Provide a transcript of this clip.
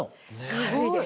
軽いです。